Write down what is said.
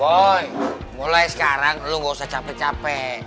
boy mulai sekarang lo ga usah capek capek